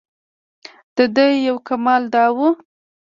دده یو کمال دا و.